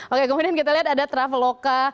oke kemudian kita lihat ada traveloka